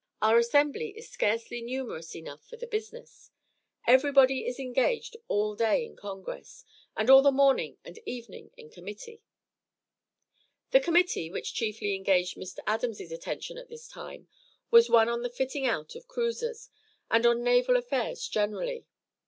Our assembly is scarcely numerous enough for the business; everybody is engaged all day in Congress, and all the morning and evening in committee." The committee, which chiefly engaged Mr. Adams' attention at this time, was one on the fitting out of cruisers, and on naval affairs generally.